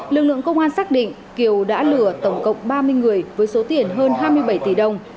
lực lượng công an xác định kiều đã lừa tổng cộng ba mươi người với số tiền hơn hai mươi bảy tỷ đồng